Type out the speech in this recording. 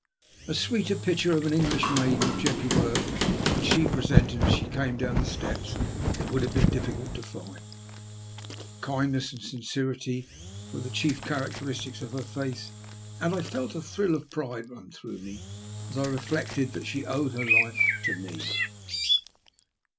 A sweeter picture of an English maiden of gentle birth than she presented as she came down the steps it would have been difficult to find. Kindness and sincerity were the chief characteristics of her face, and I felt a thrill of pride run through me as I reflected that she owed her life to me.